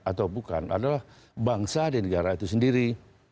atau bukan adalah bangsa di negara itu sendiri